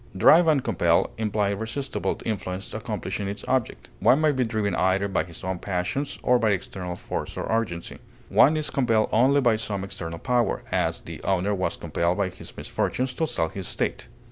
Drive and compel imply irresistible influence accomplishing its object. One may be driven either by his own passions or by external force or urgency; one is compelled only by some external power; as, the owner was compelled by his misfortunes to sell his estate.